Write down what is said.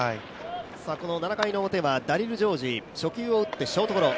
この７回の表はダリル・ジョージ、初球を打ってショートゴロ。